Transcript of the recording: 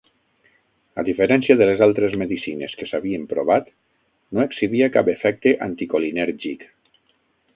A diferència de les altres medicines que s'havien provat, no exhibia cap efecte anticolinèrgic.